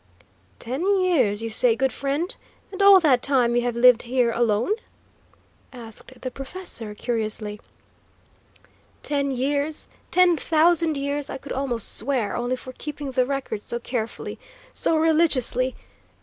"Ten years, you say, good friend? And all that time you have lived here alone?" asked the professor, curiously. "Ten years, ten thousand years, I could almost swear, only for keeping the record so carefully, so religiously.